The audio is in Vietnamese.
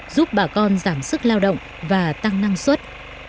giúp bà con giảm sức lao động và tăng năng suất